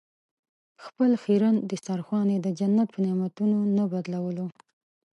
خپل خیرن دسترخوان یې د جنت په نعمتونو نه بدلولو.